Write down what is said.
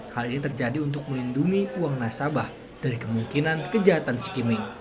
hal ini terjadi untuk melindungi uang nasabah dari kemungkinan kejahatan skimming